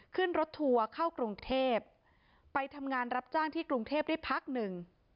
ขึ้นรถทัวร์เข้ากรุงเทพไปทำงานรับจ้างที่กรุงเทพได้พักหนึ่ง